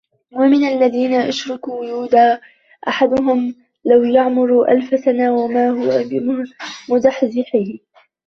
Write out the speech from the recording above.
وَمِنَ الَّذِينَ أَشْرَكُوا ۚ يَوَدُّ أَحَدُهُمْ لَوْ يُعَمَّرُ أَلْفَ سَنَةٍ وَمَا هُوَ بِمُزَحْزِحِهِ